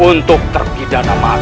untuk terpidana mati